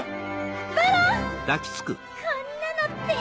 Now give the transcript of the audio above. こんなのって！